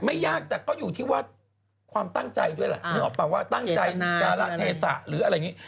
ไม่ยากแต่ก็อยู่ที่ว่าความตั้งใจด้วยแหละนึกออกป่ะว่าตั้งใจการะเทศะหรืออะไรอย่างนี้